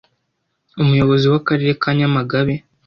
Umuyobozi w’Akarere ka Nyamagabe,